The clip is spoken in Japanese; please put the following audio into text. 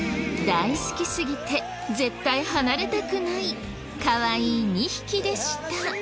大好きすぎて絶対離れたくないかわいい２匹でした。